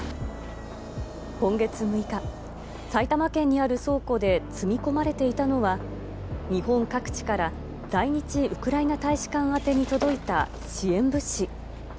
今月６日、埼玉県にある倉庫で積み込まれていたのは、日本各地から在日ウクライナ大使館宛てに届いた支援物資。